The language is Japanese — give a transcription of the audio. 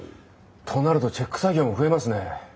となるとチェック作業も増えますね。